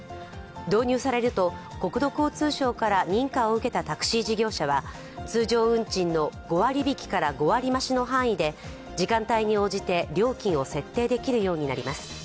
導入されると国土交通省から認可を受けたタクシー事業者は通常運賃の５割引から５割増の範囲で時間帯に応じて料金を設定できるようになります。